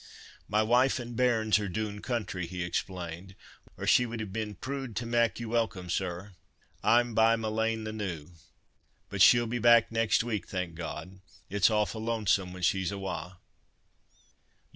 "My wife and bairns are doon country," he explained, "or she would have been prood to mak' you welcome, sir. I'm by ma lane the noo—but she'll be back next week, thank God; it's awfu' lonesome, when she's awa."